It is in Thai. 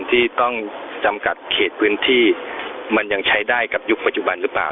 ที่ต้องจำกัดเขตพื้นที่มันยังใช้ได้กับยุคปัจจุบันหรือเปล่า